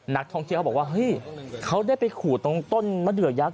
นักทองเชียวเขาบอกว่าเฮ้ยเขาได้ไปขู่ตรงต้นมะเดือกยักษ์อ่ะ